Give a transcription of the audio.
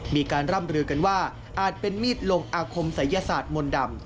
มีการร่ำลือกันว่าอาจเป็นมีดลงอาคมศัยศาสตร์มนต์ดำ